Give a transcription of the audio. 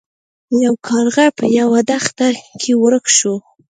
یو کارغه په یوه دښته کې ورک شو.